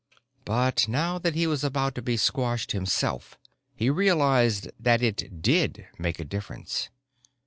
But now that he was about to be squashed himself, he realized that it did make a difference.